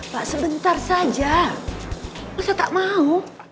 pak sebentar saja masa tak mau